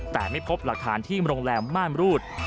แต่ไม่พบหลักฐานที่โรงแรมม่านรูด